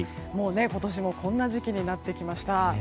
今年もこんな時期になってきました。